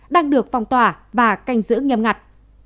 đang được phong tỏa và canh giữ nghiêm ngặt